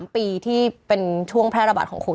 ๓ปีที่เป็นช่วงแพร่ระบาดของโควิด